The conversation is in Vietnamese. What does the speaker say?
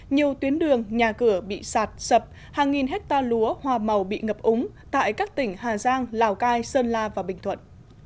nhiều tuyến đường nhà cửa bị sạt sập hàng nghìn hecta lúa hoa màu bị ngập úng tại các tỉnh hà giang lào cai sơn la và bình thuận